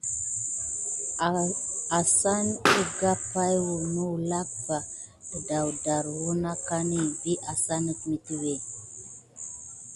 Asa kuka pay nulà va tedafar winaga vi asane mituwé.